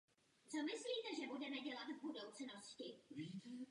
Díky hlasům latinskoamerických poslanců byly pak pozměňovací návrhy přijaty.